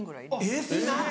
えっすごっ！